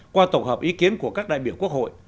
qua tổng hợp ý kiến của các đại biểu quốc hội